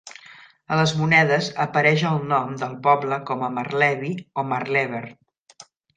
A les monedes apareix el nom del poble com a Maerlebi o Maerleber.